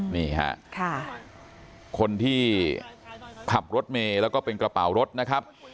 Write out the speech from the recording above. นี่ฮะคนที่ขับรถเมย์แล้วก็เป็นกระเป๋ารถนะครับ